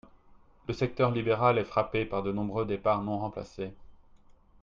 Le secteur libéral est frappé par de nombreux départs non remplacés.